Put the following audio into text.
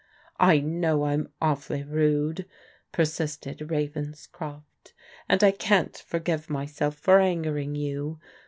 " I know I'm awfully rude," persisted Ravenscroft, "and I can't forgive myself for angering you.